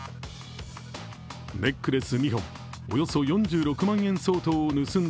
ネックレス２本およそ４６万円相当を盗んだ